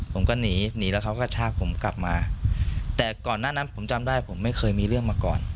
ผมก็หนีหนีแล้วเขาก็ชากผมกลับมาแต่ก่อนหน้านั้นผมจำได้ผมไม่เคยมีเรื่องมาก่อน